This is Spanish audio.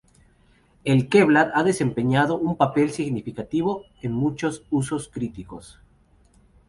El kevlar ha desempeñado un papel significativo en muchos usos críticos.